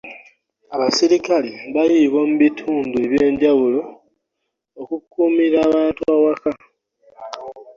abaserikale baayibwa mu bitundu eby'enjawulo okukuumira abantu awaka.